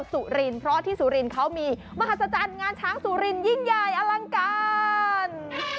สุรินทร์เพราะที่สุรินทร์เขามีมหัศจรรย์งานช้างสุรินยิ่งใหญ่อลังการ